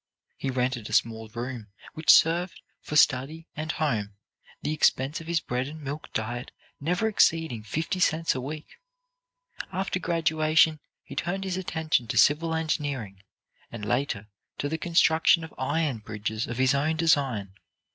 He rented a small room, which served for study and home, the expense of his bread and milk diet never exceeding fifty cents a week. After graduation, he turned his attention to civil engineering, and, later, to the construction of iron bridges of his own design.